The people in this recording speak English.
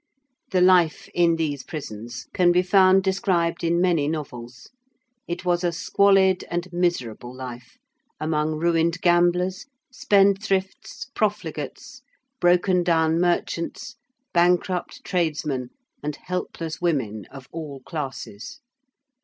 The life in these prisons can be found described in many novels. It was a squalid and miserable life among ruined gamblers, spendthrifts, profligates, broken down merchants, bankrupt tradesmen, and helpless women of all classes.